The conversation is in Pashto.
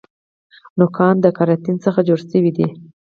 نوکان د کیراټین څخه جوړ شوي دي